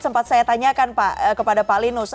sempat saya tanyakan pak kepada pak linus